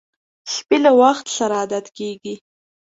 سپي له وخت سره عادت کېږي.